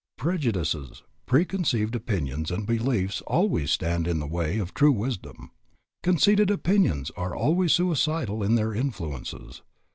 Prejudices, preconceived opinions and beliefs always stand in the way of true wisdom. Conceited opinions are always suicidal in their influences.